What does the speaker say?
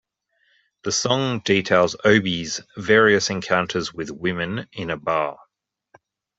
The song details Obie's various encounters with women in a bar.